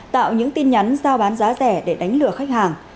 tạo những tin nhắn giao bán giá rẻ để đánh lừa khách hàng